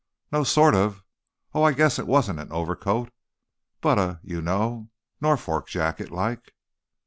"No, sort of oh, I guess it wasn't an overcoat, but a, you know, Norfolk jacket, like."